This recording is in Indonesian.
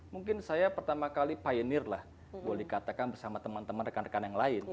mungkin saya pertama kali pionir lah boleh katakan bersama teman teman rekan rekan yang lain